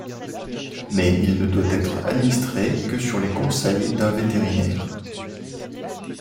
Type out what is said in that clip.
Mais il ne doit être administré que sur les conseils d'un vétérinaire.